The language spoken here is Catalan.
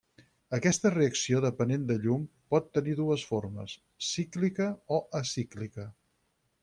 Aquesta reacció dependent de llum pot tenir dues formes: cíclica o acíclica.